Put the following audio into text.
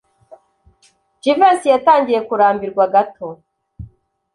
Jivency yatangiye kurambirwa gato.